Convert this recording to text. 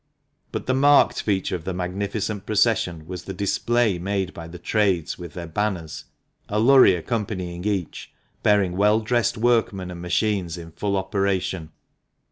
But the marked feature of the magnificent procession was the display made by the trades, with their banners, a lurry accompanying each, bearing well dressed workmen and machines in full operation.